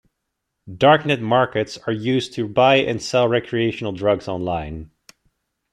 Darknet markets are used to buy and sell recreational drugs online.